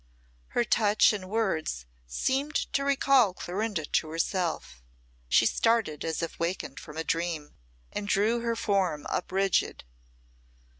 Her touch and words seemed to recall Clorinda to herself. She started as if wakened from a dream, and drew her form up rigid.